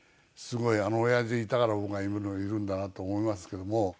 あのおやじがいたから僕が今でもいるんだなと思いますけども。